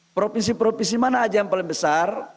provinsi provinsi mana aja yang paling besar